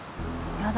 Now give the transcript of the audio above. やだ